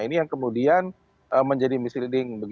ini yang kemudian menjadi misleading